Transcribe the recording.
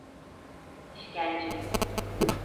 İşkence…